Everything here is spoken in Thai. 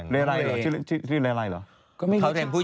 อะไรเหรอชื่อเลอะไรเหรอ